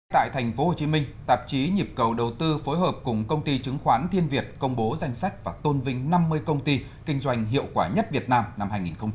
tại thành phố hồ chí minh tạp chí nhịp cầu đầu tư phối hợp cùng công ty chứng khoán thiên việt công bố danh sách và tôn vinh năm mươi công ty kinh doanh hiệu quả nhất việt nam năm hai nghìn một mươi tám